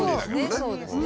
そうですね。